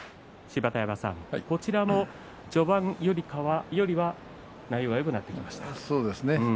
芝田山さん、こちらも序盤よりは、だいぶ内容がよくなってきましたね。